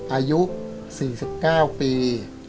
อายุ๔๙ปี